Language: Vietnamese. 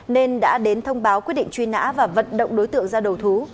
nên đã đến thông báo quyết định truy nã và vận động đối tượng ra đầu thú